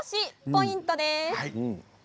ポイントです。